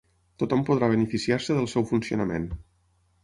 Tothom podrà beneficiar-se del seu funcionament.